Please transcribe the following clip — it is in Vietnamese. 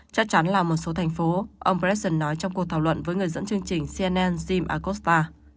chắc chắn là một số thành phố ông brexit nói trong cuộc thảo luận với người dẫn chương trình cnn jim akospa